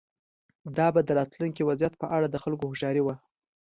دا به د راتلونکي وضعیت په اړه د خلکو هوښیاري وه.